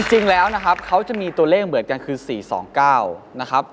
จริงแล้วนะครับเขาจะมีตัวเลขเหมือนกันคือ๔๒๙นะครับ